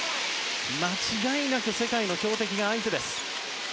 間違いなく世界の強敵が相手です。